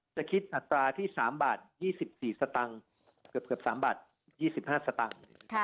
จะคิดอัตราที่สามบาทยี่สิบสี่สตังค์เกือบเกือบสามบาทยี่สิบห้าสตังค์